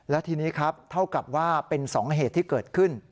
และทีนี้ครับเท่ากับว่าเป็น๒เหตุที่เกิดขึ้น